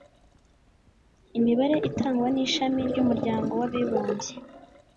Imibare itangwa n'Ishami ry'Umuryango w'Abibumbye